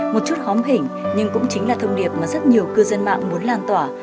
một chút khóm hỉnh nhưng cũng chính là thông điệp mà rất nhiều cư dân mạng muốn lan tỏa